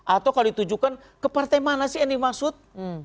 atau kalau ditujukan ke partai mana sih yang dimaksud